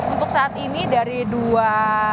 untuk saat ini dari dua